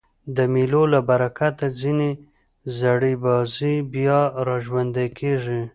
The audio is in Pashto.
د مېلو له برکته ځیني زړې بازۍ بیا راژوندۍ کېږي.